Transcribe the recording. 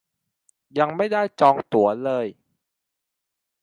ยังไม่ได้จองตั๋วเลย